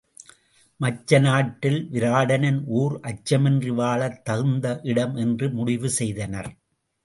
மச்ச நாட்டில் விராடனின் ஊர் அச்சமின்றி வாழத் தகுந்த இடம் என்று முடிவு செய்தனர்.